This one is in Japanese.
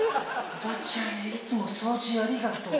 「おばちゃんいつも掃除ありがとう。